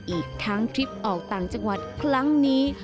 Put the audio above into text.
อีกทั้งทริปออกต่างจังหวัดครั้งนี้